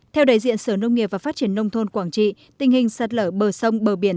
theo đại diện sở nông nghiệp và phát triển nông thôn quảng trị tình hình sạt lở bờ sông bờ biển